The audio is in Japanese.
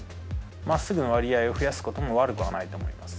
まっすぐの割合を増やすことも悪くはないと思います。